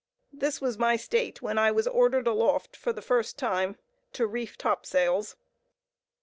This was my state when I was ordered aloft, for the first time, to reef topsails.